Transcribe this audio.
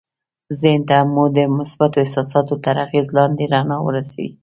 ذهن ته مو د مثبتو احساساتو تر اغېز لاندې رڼا ورسوئ